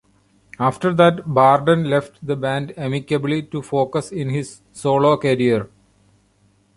After that, Barden left the band amicably to focus in his solo career.